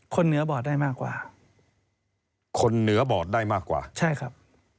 เหนือบอดได้มากกว่าคนเหนือบอดได้มากกว่าใช่ครับ